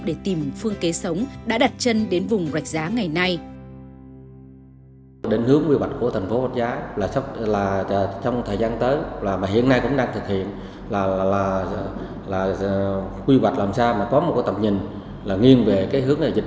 để tìm phương kế sống đã đặt chân đến vùng rạch giá ngày nay